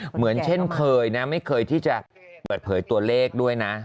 เหมือนเช่นเคยนะไม่เคยที่จะเปิดเผยตัวเลขด้วยนะ